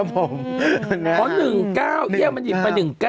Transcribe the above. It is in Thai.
ครับผมน่าอ๋อ๑๙เยี่ยงมันหยิบไป๑๙